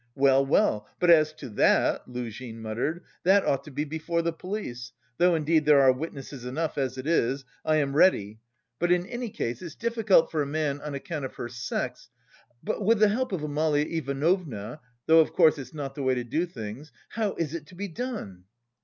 Well, well, but as to that..." Luzhin muttered, "that ought to be before the police... though indeed there are witnesses enough as it is.... I am ready.... But in any case it's difficult for a man... on account of her sex.... But with the help of Amalia Ivanovna... though, of course, it's not the way to do things.... How is it to be done?"